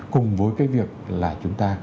cùng với cái việc là chúng ta